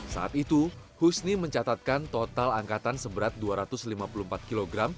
saat itu husni mencatatkan total angkatan seberat dua ratus lima puluh empat kg